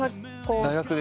大学で。